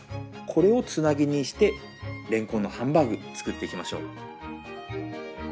これをつなぎにしてれんこんのハンバーグ作っていきましょう。